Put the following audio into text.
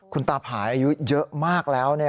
คุณตาผายอายุเยอะมากแล้ว